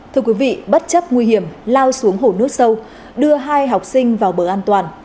thưa quý vị bất chấp nguy hiểm lao xuống hồ nước sâu đưa hai học sinh vào bờ an toàn